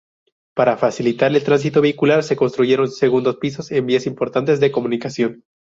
Para facilitar el tránsito vehicular se construyeron segundos pisos en vías importantes de comunicación.